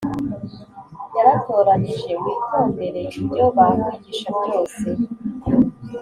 yaratoranije witondere ibyo bakwigisha byose